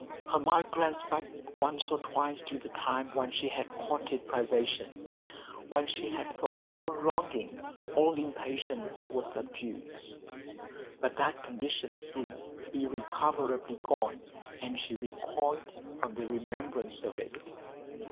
Her mind glanced back once or twice to the time when she had courted privation, when she had thought all longing, all impatience was subdued; but that condition seemed irrecoverably gone, and she recoiled from the remembrance of it.